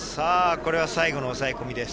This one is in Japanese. これは最後の抑え込みです。